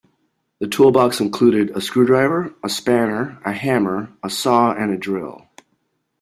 The toolbox included a screwdriver, a spanner, a hammer, a saw and a drill